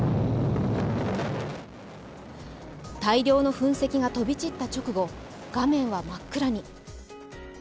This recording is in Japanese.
大量の噴石が飛び散った直後、カメラの画面は真っ暗に。